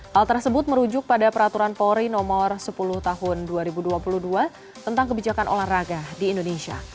hal tersebut merujuk pada peraturan polri nomor sepuluh tahun dua ribu dua puluh dua tentang kebijakan olahraga di indonesia